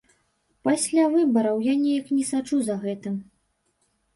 Пасля выбараў я неяк не сачу за гэтым.